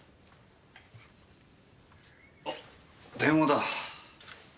あっ電話だ。